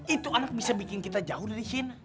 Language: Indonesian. itu anak bisa bikin kita jauh dari sini